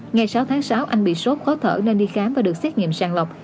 ngày sáu tháng sáu anh bị sốt khó thở nên đi khám và được xét nghiệm sàng lọc